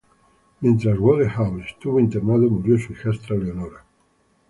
Mientras Wodehouse estuvo internado, murió su hijastra Leonora.